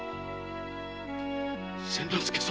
千之助様。